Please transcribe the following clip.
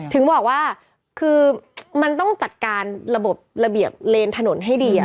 ถึงบอกว่าคือมันต้องจัดการระบบระเบียบเลนถนนให้ดี